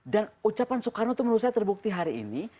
dan ucapan soekarno itu menurut saya terbukti hari ini